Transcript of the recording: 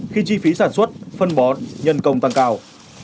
khi chi phí sản xuất phân bón nhân công tăng cao